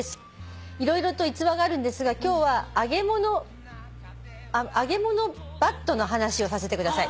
色々と逸話があるんですが今日は揚げ物バットの話をさせてください」